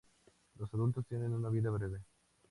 Los adultos tienen una vida breve.